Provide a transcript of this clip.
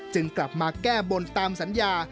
กลับมาแก้บนตามสัญญา